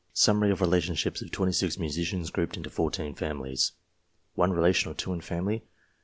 SUMMARY OF RELATIONSHIPS OF 26 MUSICIANS GROUPED INTO 14 FAMILIES. One relation (or two in family).